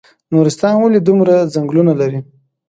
نورستان ولې دومره ځنګلونه لري؟